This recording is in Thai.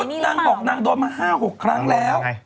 นี่นางบอกนางโดนมา๕๖ครั้งแล้ว